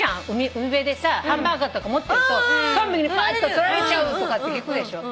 海辺でさハンバーガーとか持ってるとトンビにぱーっと取られちゃうとかって聞くでしょ。